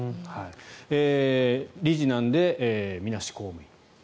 理事なんでみなし公務員。